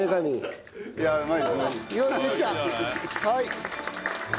はい。